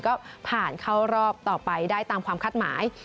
ก็ผ่านเข้ารอบต่อไปได้ตามความคาดหมาย